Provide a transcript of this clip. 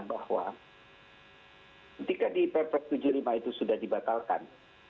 bahwa ketika di pp tujuh puluh lima itu sudah dibatalkan